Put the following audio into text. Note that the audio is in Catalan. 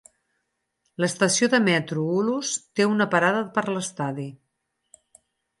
L'estació de metro Ulus té una parada per l'estadi.